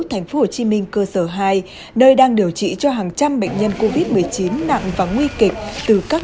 tp hcm cơ sở hai nơi đang điều trị cho hàng trăm bệnh nhân covid một mươi chín nặng và nguy kịch từ các